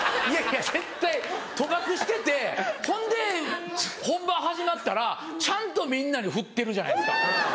いやいや絶対賭博しててほんで本番始まったらちゃんとみんなにふってるじゃないですか。